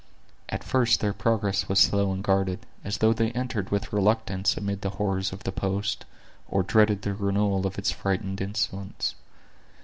At first their progress was slow and guarded, as though they entered with reluctance amid the horrors of the post, or dreaded the renewal of its frightful incidents.